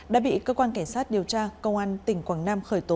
đã bị cơ quan cảnh sát điều tra công an tỉnh quảng nam khởi tố